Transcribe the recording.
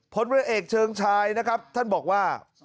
ผลเรือเอกเชิงชายนะครับท่านบอกว่า